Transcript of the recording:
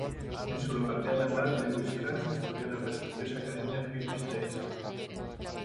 En su localidad natal Lewis Cass estudió en la prestigiosa Academia Phillips de Exeter.